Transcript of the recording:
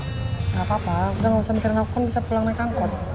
gak apa apa udah gak usah mikirin aku bisa pulang naik angkor